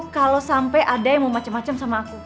kalo sampe ada yang mau macem macem sama aku